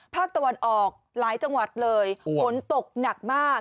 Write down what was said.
ภาคตะวันออกหลายจังหวัดเลยฝนตกหนักมาก